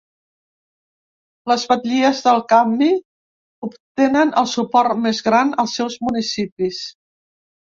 Les batllies del canvi obtenen el suport més gran als seus municipis.